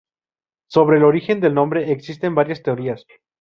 Sobre el origen del nombre existen varias teorías.